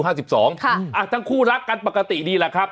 ทั้งคู่รักกันปกติดีแหละครับ